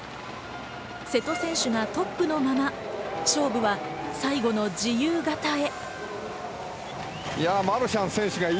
瀬戸選手がトップのまま勝負は最後の自由形へ。